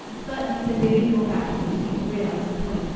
But neither Louis nor Batchgrew seemed to realize the point.